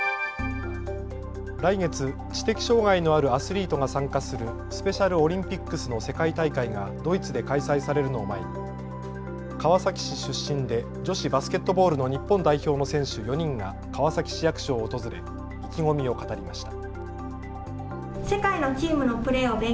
来月、知的障害のあるアスリートが参加するスペシャルオリンピックスの世界大会がドイツで開催されるのを前に川崎市出身で女子バスケットボールの日本代表の選手４人が川崎市役所を訪れ意気込みを語りました。